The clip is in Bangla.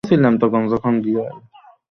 এখানে তারা সবাই আছে, বস।